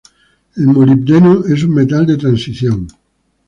El molibdeno es un metal de transición.